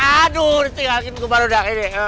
aduh ditinggalkan kubur rodak ini